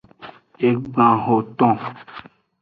Egban hoton.